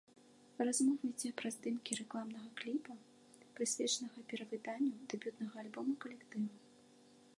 Размова ідзе пра здымкі рэкламнага кліпа, прысвечанага перавыданню дэбютнага альбома калектыву.